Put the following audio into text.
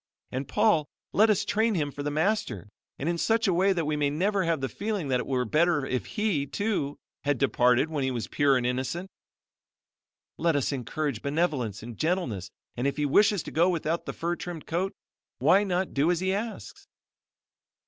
And, Paul, let us train him for the Master and in such a way that we may never have the feeling that it were better if he, too, had departed when he was pure and innocent. Let us encourage benevolence and gentleness and if he wishes to go without the fur trimmed coat, why not do as he asks?"